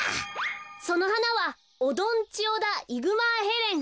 そのはなはオドンチオダ・イグマーヘレン。